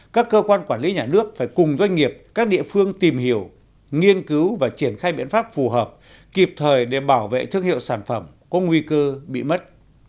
các cơ quan quản lý nhà nước phải cùng doanh nghiệp các địa phương tìm hiểu nghiên cứu và triển khai biện pháp phù hợp kịp thời để bảo vệ thương hiệu sản phẩm có nguy cơ bị mất